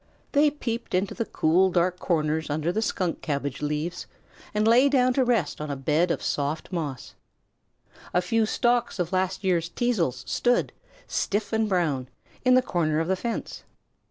They peeped into the cool dark corners under the skunk cabbage leaves, and lay down to rest on a bed of soft moss. A few stalks of last year's teazles stood, stiff and brown, in the corner of the fence.